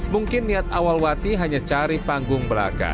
mungkin niat awal wati hanya cari panggung belakang